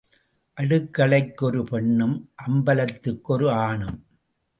அடுக்களைக்கு ஒரு பெண்ணும் அம்பலத்துக்கு ஓர் ஆணும்.